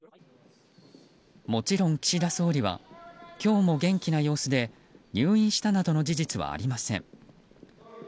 もちろん、岸田総理は今日も元気な様子で入院したなどの事実はありません。